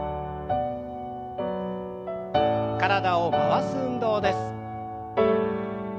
体を回す運動です。